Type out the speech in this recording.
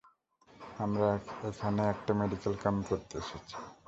আমরা এখানে একটা মেডিকেল ক্যাম্প করতে এসেছি।